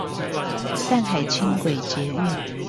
淡海輕軌捷運